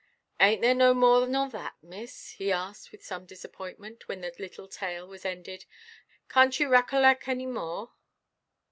"Ainʼt there no more nor that, miss?" he asked, with some disappointment, when the little tale was ended; "canʼt you racollack no more?"